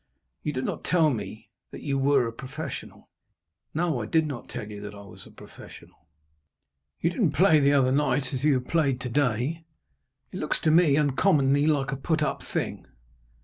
"You did not tell me that you were a professional." "No; I did not tell you that I was a professional." "You didn't play the other night as you have played to day. It looks to me uncommonly like a put up thing."